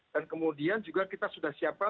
dan kemudian juga kita sudah siapkan